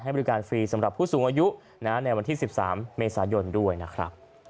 บริการฟรีสำหรับผู้สูงอายุในวันที่๑๓เมษายนด้วยนะครับ